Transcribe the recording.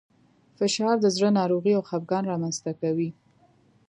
فشار د زړه ناروغۍ او خپګان رامنځ ته کوي.